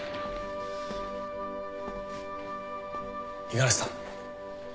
五十嵐さん。